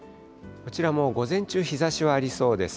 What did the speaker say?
こちらも午前中、日ざしはありそうです。